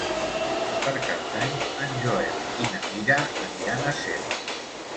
Per Cap d'Any en Joel i na Mira aniran a Cercs.